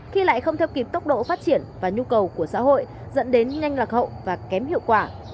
khi lại không theo kịp tốc độ phát triển và nhu cầu của xã hội dẫn đến nhanh lạc hậu và kém hiệu quả